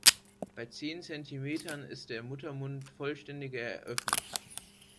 Bei zehn Zentimetern ist der Muttermund vollständig eröffnet.